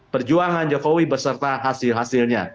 perjuangan jokowi beserta hasil hasilnya